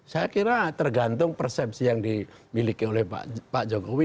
saya kira tergantung persepsi yang dimiliki oleh pak jokowi